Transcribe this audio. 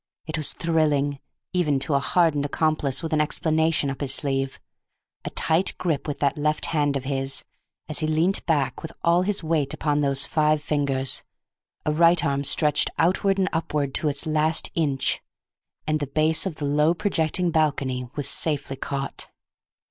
It was thrilling, even to a hardened accomplice with an explanation up his sleeve! A tight grip with that left hand of his, as he leant backward with all his weight upon those five fingers; a right arm stretched outward and upward to its last inch; and the base of the low, projecting balcony was safely caught.